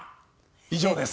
以上です。